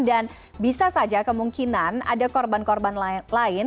dan bisa saja kemungkinan ada korban korban lain